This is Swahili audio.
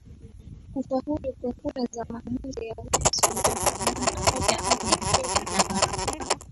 kufaulu kwa kura ya maamuzi huku sudan kwa namna moja au nyingine na manufaa